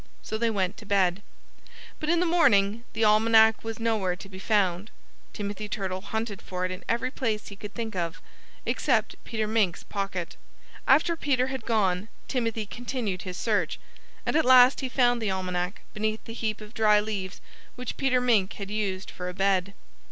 So they went to bed. But in the morning the Almanac was nowhere to be found. Timothy Turtle hunted for it in every place he could think of except Peter Mink's pocket. After Peter had gone, Timothy continued his search. And at last he found the Almanac beneath the heap of dry leaves which Peter Mink had used for a bed.